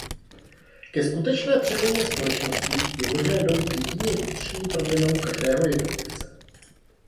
Ke skutečné přeměně společnosti je možné dojít jedině vnitřní proměnou každého jednotlivce.